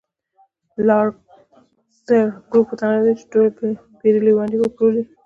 لاکزر ګروپ وتوانېد چې ټولې پېرلې ونډې وپلوري.